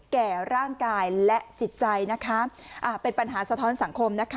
แก่ร่างกายและจิตใจนะคะอ่าเป็นปัญหาสะท้อนสังคมนะคะ